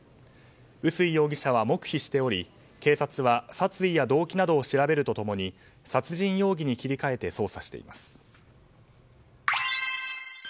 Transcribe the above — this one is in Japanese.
薄井容疑者は黙秘しており警察は殺意や動機などを調べると共に殺人容疑に切り替えて捜査しています。